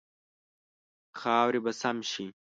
خاورې به سم شي.